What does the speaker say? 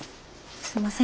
すんません